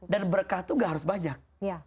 dan berkah itu gak harus banyak